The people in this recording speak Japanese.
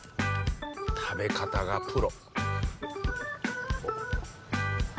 食べ方がプロ。